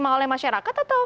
diterima oleh masyarakat atau